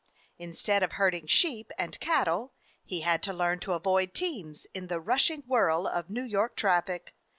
Instead of herding sheep and cattle, he had to learn to avoid teams in the rushing whirl of New York traffic.